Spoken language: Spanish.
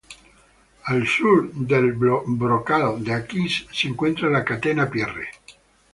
Al sur del brocal de Akis se encuentra la Catena Pierre.